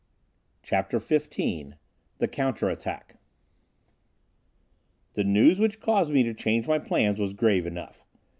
CHAPTER XV The Counter Attack The news which caused me to change my plans was grave enough.